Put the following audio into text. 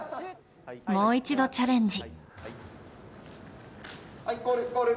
もう一度チャレンジ。